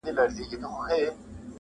وجدان ورو ورو مري دننه تل,